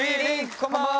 こんばんは。